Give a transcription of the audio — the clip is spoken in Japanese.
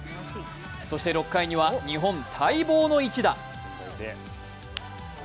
そして６回には日本待望の一打。